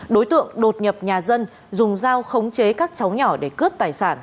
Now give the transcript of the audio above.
đối tượng đột nhập nhà dân dùng dao khống chế các cháu nhỏ để cướp tài sản